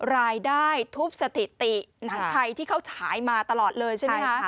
รายได้ทุบสถิติหนังไทยที่เขาฉายมาตลอดเลยใช่ไหมคะ